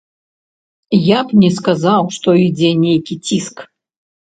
Я б не сказаў, што ідзе нейкі ціск.